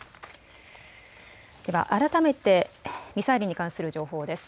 では改めてミサイルに関する情報です。